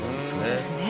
そうですね。